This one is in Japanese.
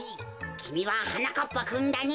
きみははなかっぱくんだね。